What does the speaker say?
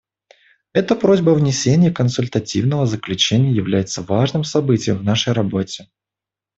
Эта просьба о вынесении консультативного заключения является важным событием в нашей работе.